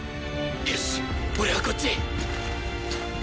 よし俺はこっち